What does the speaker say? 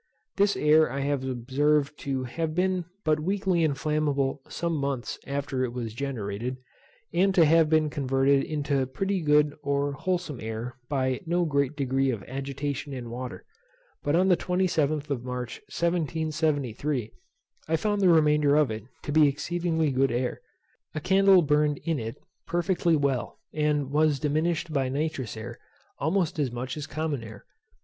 This air I have observed to have been but weakly inflammable some months after it was generated, and to have been converted into pretty good or wholesome air by no great degree of agitation in water; but on the 27th of March 1773, I found the remainder of it to be exceedingly good air. A candle burned in it perfectly well, and it was diminished by nitrous air almost as much as common air.